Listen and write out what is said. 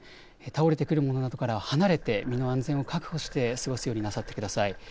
倒れてくるものなどから離れて身の安全を確保して過ごすようになさってください。